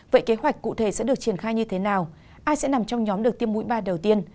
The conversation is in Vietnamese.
vậy kế hoạch cụ thể sẽ được triển khai như thế nào ai sẽ nằm trong nhóm được tiêm mũi ba đầu tiên